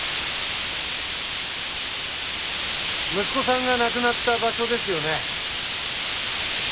息子さんが亡くなった場所ですよね？